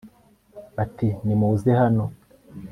bati nimuze hano